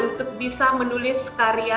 untuk bisa menulis karya